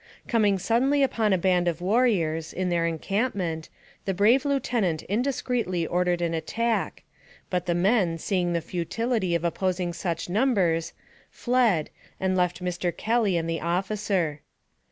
Coming suddenly upon a band of warriors, in their encampment, the brave Lieutenant indiscreetly ordered an attack, but the men, seeing the futility of opposing such numbers, fled, and left Mr. Kelly and the officer.